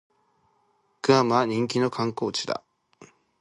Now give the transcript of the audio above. グアムは人気の観光地だ